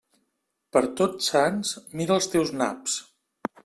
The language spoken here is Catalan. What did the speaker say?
Per Tots Sants, mira els teus naps.